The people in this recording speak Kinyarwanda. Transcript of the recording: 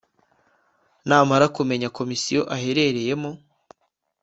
namara kumenya Komisiyo aherereyemo